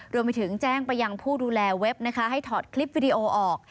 รวมไปถึงแจ้งไปยังผู้ดูแลเว็บนะคะให้ถอดคลิปวิดีโอออก